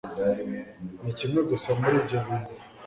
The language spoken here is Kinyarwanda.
ni kimwe gusa muri ibyo bintu